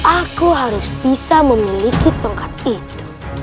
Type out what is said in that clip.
aku harus bisa memiliki tongkat itu